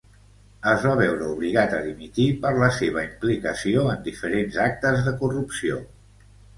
Es va veure obligat a dimitir per la seva implicació en diferents actes de corrupció.